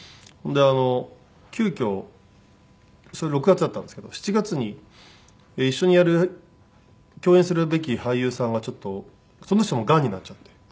で急遽それ６月だったんですけど７月に一緒にやる共演するべき俳優さんがちょっとその人もがんになっちゃって。